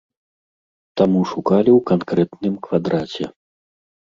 Таму шукалі ў канкрэтным квадраце.